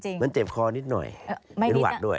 เหมือนเจ็บคอนิดหน่อยเป็นหวัดด้วย